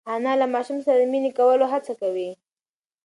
انا له ماشوم سره د مینې کولو هڅه کوي.